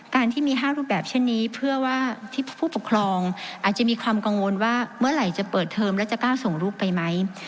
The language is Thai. การที่มี๕รูปแบบเช่นนี้เพื่อว่าที่ผู้ปกครองอาจจะมีความกังวลว่าเมื่อไหร่จะเปิดเทอมแล้วจะกล้าส่งลูกไปไหม